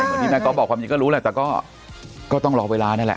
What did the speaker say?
เหมือนที่แม่ก๊อฟบอกความจริงก็รู้แหละแต่ก็ต้องรอเวลานั่นแหละ